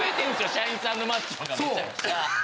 社員さんのマッチョがめちゃくちゃ。